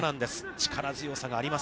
力強さがあります。